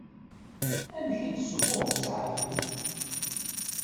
Amek i d-ssufuɣeḍ zɛaf-im?